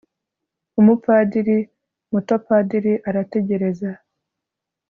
Umupadiri mutopadiri arategereza